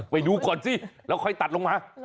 ไปดูก่อนสิแล้วค่อยตัดลงมา